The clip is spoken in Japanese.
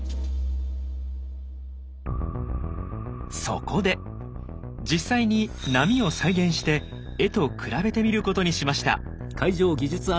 そこで実際に波を再現して絵と比べてみることにしました。